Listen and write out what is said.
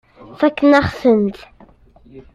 Fakken-aɣ-tent.